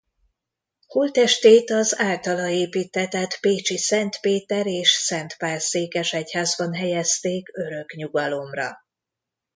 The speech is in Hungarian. Holttestét az általa építtetett pécsi Szent Péter- és Szent Pál-székesegyházban helyezték örök nyugalomra.